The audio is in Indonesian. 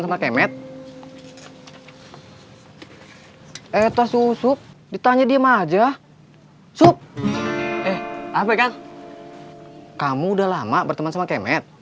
cep kamu udah lama berteman sama kemet